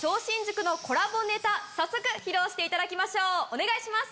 早速披露していただきましょうお願いします。